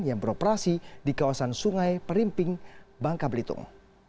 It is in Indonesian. yang beroperasi di kawasan sungai perimping bangka belitung